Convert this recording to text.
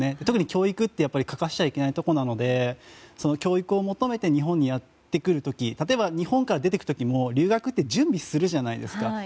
特に教育って欠かしちゃいけないところなので教育を求めて日本にやってくる時例えば、日本から出て行く時も留学って準備するじゃないですか。